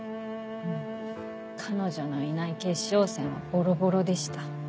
彼女のいない決勝戦はボロボロでした。